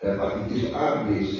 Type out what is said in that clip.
yang pakai tis a b c